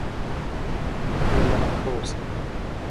هيله لرم ښه اوسې!